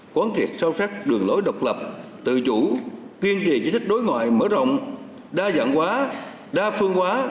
quán triệt sâu sắc đường lối độc lập tự chủ quyên trì giới thích đối ngoại mở rộng đa dạng hóa đa phương hóa